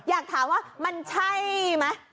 อยากถามว่ามันใช่ไหม